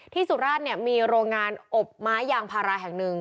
ที่สุราชมีโรงงานอบไม้อย่างภาระแห่งหนึ่ง